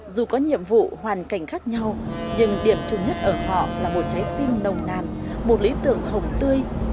dù có nhiệm vụ hoàn cảnh khác nhau nhưng điểm chung nhất ở họ là một trái tim nồng nàn một lý tưởng hồng tươi